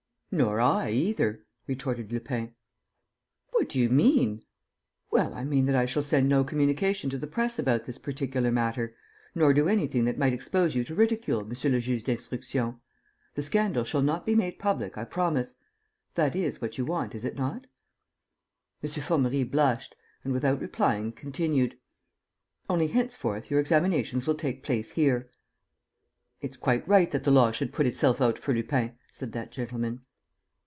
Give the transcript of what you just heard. "Nor I, either," retorted Lupin. "What do you mean?" "Well, I mean that I shall send no communication to the press about this particular matter nor do anything that might expose you to ridicule, Monsieur le Juge d'Instruction. The scandal shall not be made public, I promise. That is what you want, is it not?" M. Formerie blushed and, without replying, continued: "Only, henceforth, your examinations will take place here." "It's quite right that the law should put itself out for Lupin!" said that gentleman.